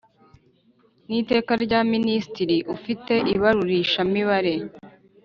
n iteka rya Minisitiri ufite ibarurishamibare